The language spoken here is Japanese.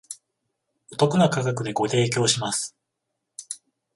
お得な価格でご提供します